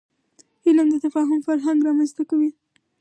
علم د تفاهم فرهنګ رامنځته کوي.